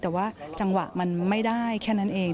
แต่ว่าจังหวะมันไม่ได้แค่นั้นเอง